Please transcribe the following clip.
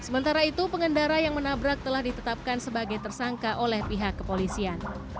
sementara itu pengendara yang menabrak telah ditetapkan sebagai tersangka oleh pihak kepolisian